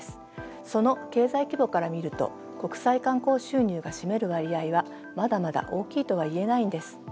その経済規模から見ると国際観光収入が占める割合はまだまだ大きいとはいえないんです。